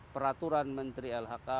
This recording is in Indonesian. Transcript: peraturan menteri lhk